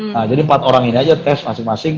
nah jadi empat orang ini aja tes masing masing